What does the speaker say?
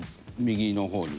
右の方に。